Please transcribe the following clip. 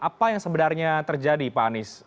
apa yang sebenarnya terjadi pak anies